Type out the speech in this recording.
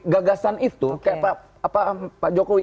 gagasan itu kayak pak jokowi